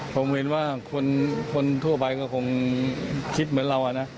ผมเห็นว่าคนทั่วไปก็คงคิดเหมือนเรานะ